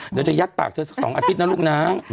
เดี๋ยวจะยัดปากเธอสัก๒อาทิตย์นะลูกนะ